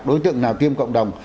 đối tượng nào tiêm cộng đồng